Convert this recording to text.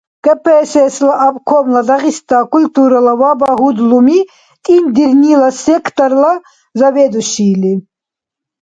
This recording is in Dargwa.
КПСС-ла обкомла Дагъиста культурала ва багьудлуми тӀинтӀдирнила секторла заведующийли.